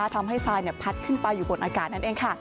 ทำให้ทรายพัดขึ้นไปบนอากาศนั่นเอง